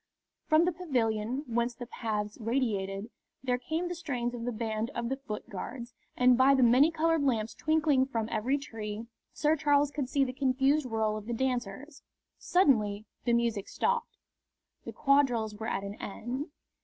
From the pavilion, whence the paths radiated, there came the strains of the band of the Foot Guards, and by the many coloured lamps twinkling from every tree Sir Charles could see the confused whirl of the dancers. Suddenly the music stopped. The quadrilles were at an end.